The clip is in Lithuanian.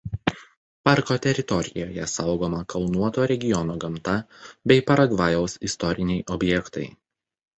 Parko teritorijoje saugoma kalnuoto regiono gamta bei Paragvajaus istoriniai objektai.